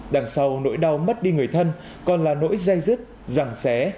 đằng sau nỗi đau mất đi người thân còn là nỗi dây dứt ràng xé